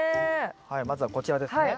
はいまずはこちらですね。